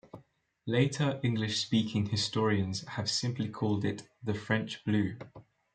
Later English-speaking historians have simply called it the "French Blue".